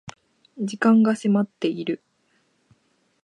時間が迫っている